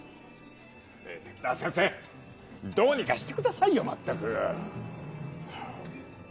たきざわ先生、どうにかしてくださいよ、全く。